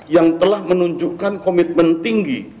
yang telah menunjukkan komitmen tinggi